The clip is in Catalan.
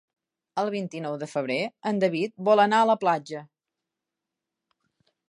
El vint-i-nou de febrer en David vol anar a la platja.